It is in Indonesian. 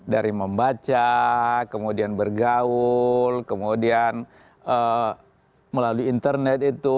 dari membaca kemudian bergaul kemudian melalui internet itu